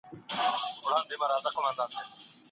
د ميلمنو پالل اسانه کار نه دی.